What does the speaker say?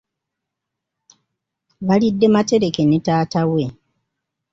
Balidde matereke ne taata we.